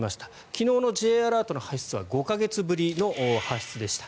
昨日のＪアラートの発出は５か月ぶりの発出でした。